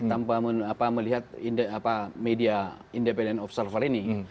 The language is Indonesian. tanpa melihat media independent observer ini